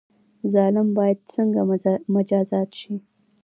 ظالم باید څنګه مجازات شي؟